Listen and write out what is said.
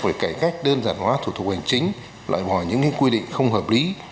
về cải cách đơn giản hóa thủ tục hành chính loại bỏ những quy định không hợp lý